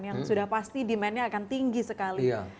yang sudah pasti demandnya akan tinggi sekali